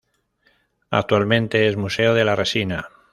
Actualmente es museo de la resina.